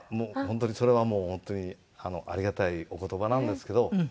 それはもう本当にありがたいお言葉なんですけど。